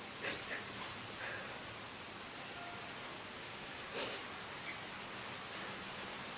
แล้วบอกว่าไม่รู้นะ